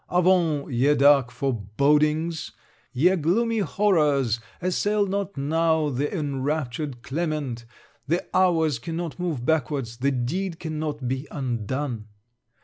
Avaunt, ye dark forebodings! Ye gloomy horrors assail not now the enraptured Clement! The hours cannot move backwards. The deed cannot be undone.